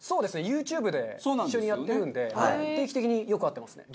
ユーチューブで一緒にやってるんで定期的によく会ってますね。